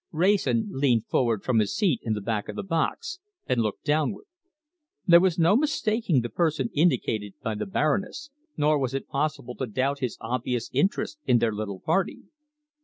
Wrayson leaned forward from his seat in the back of the box and looked downward. There was no mistaking the person indicated by the Baroness, nor was it possible to doubt his obvious interest in their little party.